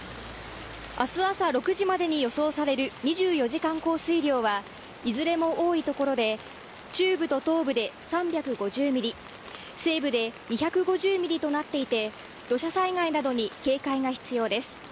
明日朝６時までに予想される２４時間降水量はいずれも多い所で中部と東部で３５０ｍｍ西部で２５０ｍｍとなっていて土砂災害などに警戒が必要です。